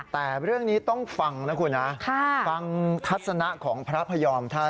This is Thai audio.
แต่เรื่องนี้ต้องฟังนะคุณนะฟังทัศนะของพระพยอมท่าน